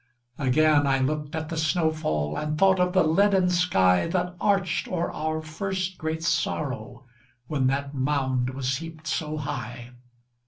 Again I looked at the snow fall, And thought of the leaden skyThat arched o'er our first great sorrow, When that mound was heaped so high.